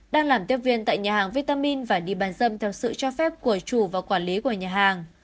đang làm tiếp viên tại nhà hàng vitamin và đi bán dâm theo sự cho phép của chủ và quản lý của nhà hàng